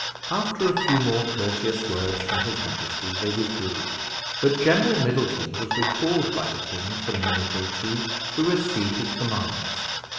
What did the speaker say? After a few more courteous words from his majesty, they withdrew, but General Middleton was recalled by the king for a minute or two to receive his commands.